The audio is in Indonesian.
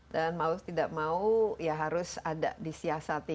dan mau tidak mau ya harus ada disiasati